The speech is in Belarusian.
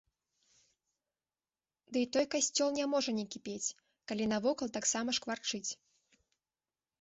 Дый той кацёл не можа не кіпець, калі навокал таксама шкварчыць.